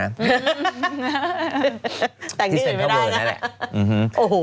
แต่งที่อื่นไม่ได้นะฮะที่เซ็นทราเวิร์นนั่นแหละอ๋อโอ้โหลูก